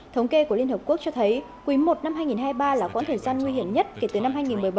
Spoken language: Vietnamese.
thống kê của liên hợp quốc cho thấy quý i năm hai nghìn hai mươi ba là quãng thời gian nguy hiểm nhất kể từ năm hai nghìn một mươi bảy